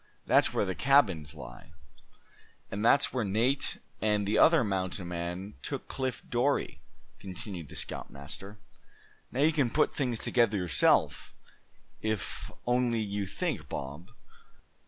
That's where the cabins lie." "And that's where Nate and the other mountain man took Cliff Dorie," continued the scoutmaster. "Now, you can put things together yourself, if only you think, Bob.